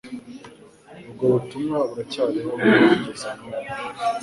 ubwo butumwa buracyariho kugeza n'ubu.